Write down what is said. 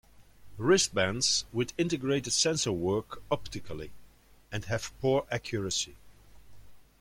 Wrist bands with integrated sensor work optically, and have poor accuracy.